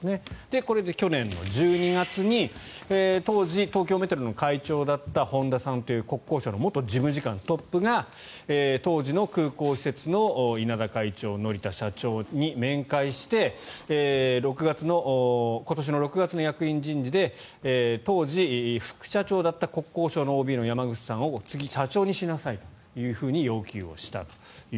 これで去年の１２月に当時、東京メトロの会長だった本田さんという国交省の元事務次官トップが当時の空港施設の稲田会長、乗田社長に面会して、今年６月の役員人事で当時、副社長だった国交省のＯＢの山口さんを次、社長にしなさいと要求したと。